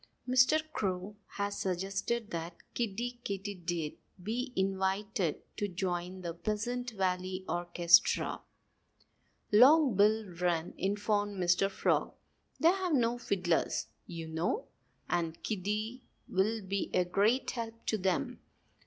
"Mr. Crow has suggested that Kiddie Katydid be invited to join the Pleasant Valley orchestra," Long Bill Wren informed Mr. Frog. "They have no fiddlers, you know. And Kiddie will be a great help to them.